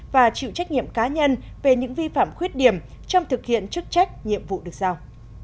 và chịu trách nhiệm cá nhân về những vi phạm khuyết điểm trong thực hiện chức trách nhiệm vụ được giao